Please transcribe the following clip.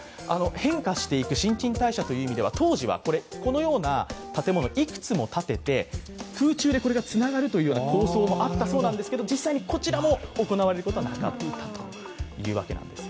変化していく新陳代謝という意味では、当時はこのような建物、いくつも建てて空中でこれがつながるという構想があったそうですが実際に、こちらも行われることはなかったというわけなんです。